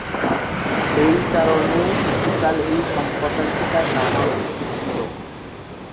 সেই কারণে কিছুকাল এই হাসপাতালটি তার নামাঙ্কিত ছিল।